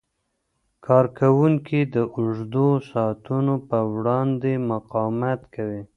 کارکوونکي د اوږدو ساعتونو په وړاندې مقاومت کوي.